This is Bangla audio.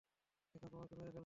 এখন তোমাকে মেরে ফেলব।